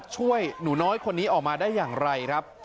ช่วยหนูน้อยคนนี้ออกมาได้อย่างไรครับ